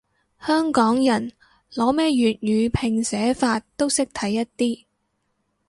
香港人，攞咩粵語拼寫法都識睇一啲